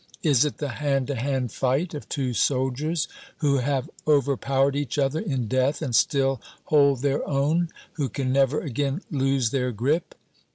Is it the hand to hand fight of two soldiers who have overpowered each other in death and still hold their own, who can never again lose their grip?